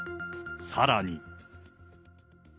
さらに。